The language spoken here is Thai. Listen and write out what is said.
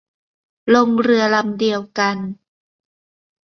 ลงเรือลำเดียวกัน